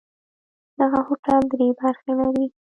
دغه هوټل درې برخې لري.